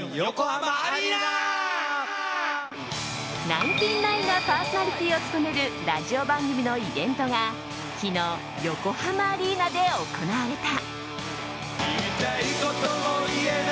ナインティナインがパーソナリティーを務めるラジオ番組のイベントが昨日、横浜アリーナで行われた。